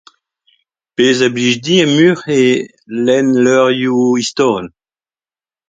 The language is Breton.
Pezh a blij din ar muiañ eo lenn levrioù istorel.